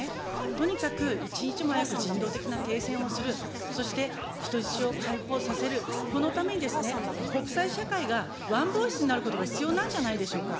とにかく１日も早く人道的な停戦をする、そして人質を解放させる、このために国際社会がワンボイスになることが必要なんじゃないでしょうか。